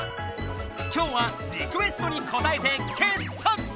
今日はリクエストにこたえて傑作選！